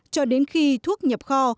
cho đến khi thuốc nhập kho